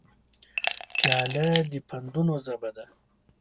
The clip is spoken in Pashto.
پیاله د پندونو ژبه لري.